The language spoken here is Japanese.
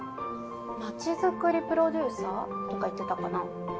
街づくりプロデューサー？とか言ってたかな。